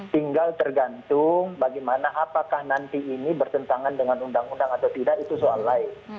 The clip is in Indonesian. tinggal tergantung bagaimana apakah nanti ini bertentangan dengan undang undang atau tidak itu soal lain